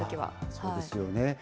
そうですよね。